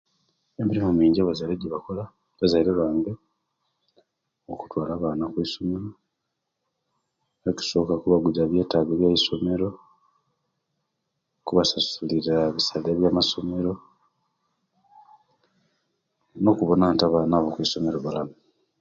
Emirimu mingi abazaire egyibakola abazaire bange okutwaala abaana okwisomero ekisooka kubagulira byettago bya'masomero, kubasasulira bisaale bya'masomero no'kubona nga abaana abali kwisomero balamu